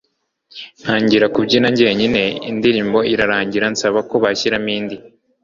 ntangira kubyina jyenyine indirimbo irarangira nsaba ko bashyiramo indi